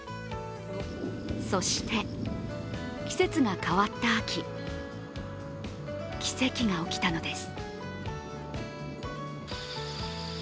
そして季節が変わった秋奇跡が起きたのです。